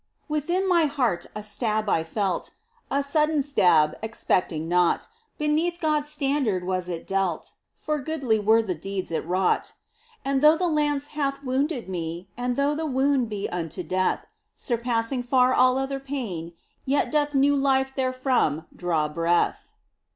Within my heart a stab I felt —• A sudden stab, expecting naught ; Beneath God's standard was it dealt For goodly were the deeds it wrought. And though the lance hath wounded me, And though the wound be unto death, Surpassing far all other pain, Yet doth new life therefrom draw breath